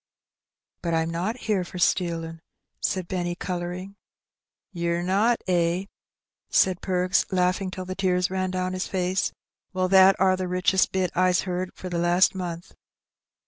"But I'm not here for stealin'," said Benny, colouring. "Ye're not, eh?" said Perks, laughing till the tears ran down his face. " Well, that are the richest bit I's heard for the last month."